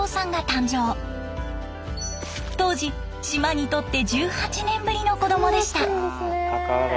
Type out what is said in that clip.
当時島にとって１８年ぶりの子供でした。